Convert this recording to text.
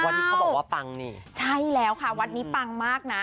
วันนี้เขาบอกว่าปังนี่ใช่แล้วค่ะวัดนี้ปังมากนะ